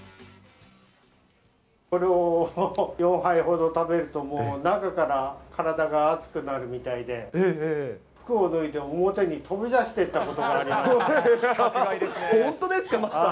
これを４杯ほど食べるともう、中から体が熱くなるみたいで、服を脱いで、表に飛び出していったことがありました。